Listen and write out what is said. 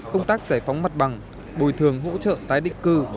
công tác giải phóng mặt bằng bồi thường hỗ trợ tái định cư